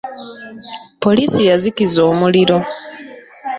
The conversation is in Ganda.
Poliisi yazikiza omuliro.